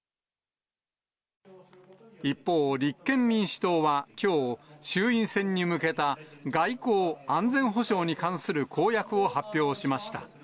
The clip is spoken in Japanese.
一方、立憲民主党はきょう、衆院選に向けた外交・安全保障に関する公約を発表しました。